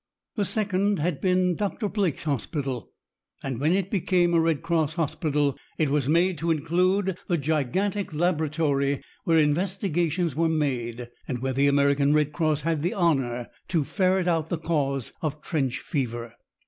The second had been Doctor Blake's Hospital, and when it became a Red Cross hospital, it was made to include the gigantic laboratory where investigations were made, and where the American Red Cross had the honor to ferret out the cause of trench fever.